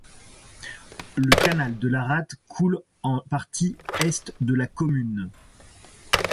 Le canal de l'Arrat coule en partie est de la commune.